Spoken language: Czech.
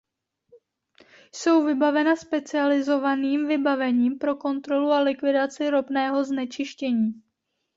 Jsou vybavena specializovaným vybavením pro kontrolu a likvidaci ropného znečištění.